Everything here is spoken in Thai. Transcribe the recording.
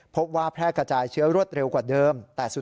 พบว่าแพร่กระจายเชื้อรวดเร็วกว่าเดิม